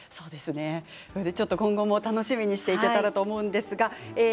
今後も楽しみにしていただけたらと思います。